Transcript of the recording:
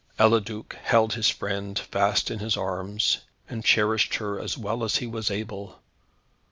Eliduc held his friend fast in his arms, and cherished her as well as he was able.